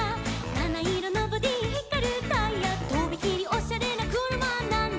「なないろのボディひかるタイヤ」「とびきりオシャレなくるまなんだ」